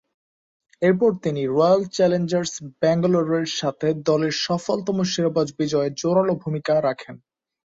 এরপর তিনি Royal Challengers ব্যাঙ্গালোরের সাথে দলের সফলতম শিরোপা বিজয়ে জোড়ালো ভূমিকা রাখেন।